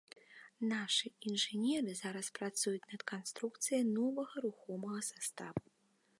Нашы інжынеры зараз працуюць над канструкцыяй новага рухомага саставу.